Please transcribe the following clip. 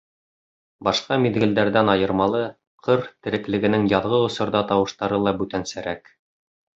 Башҡа миҙгелдәрҙән айырмалы, ҡыр тереклегенең яҙғы осорҙа тауыштары ла бүтәнсәрәк.